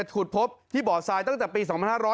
ขุดพบที่บ่อทรายตั้งแต่ปี๒๕๕๙